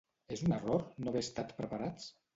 És un error no haver estat preparats?